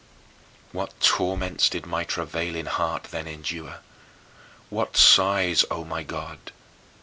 What torments did my travailing heart then endure! What sighs, O my God!